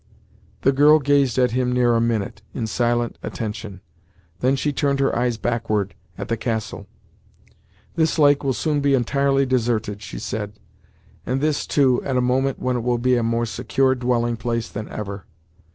The girl gazed at him near a minute, in silent attention; then she turned her eyes backward, at the castle. "This lake will soon be entirely deserted," she said, "and this, too, at a moment when it will be a more secure dwelling place than ever.